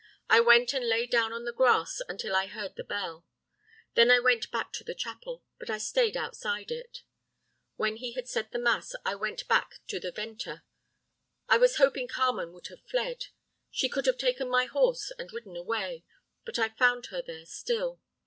I went and lay down on the grass until I heard the bell. Then I went back to the chapel, but I stayed outside it. When he had said the mass, I went back to the venta. I was hoping Carmen would have fled. She could have taken my horse and ridden away. But I found her there still.